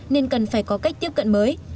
nên cần phải có cách tiếp cận mới